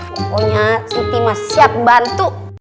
pokoknya siti masih siap bantu